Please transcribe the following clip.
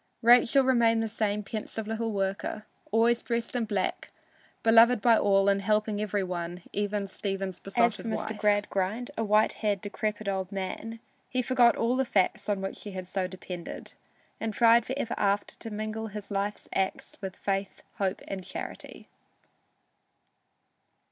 Rachel remained the same pensive little worker, always dressed in black, beloved by all and helping every one, even Stephen's besotted wife. As for Mr. Gradgrind, a white haired, decrepit old man, he forgot all the facts on which he had so depended, and tried for ever after to mingle his life's acts with Faith, Hope and Charity.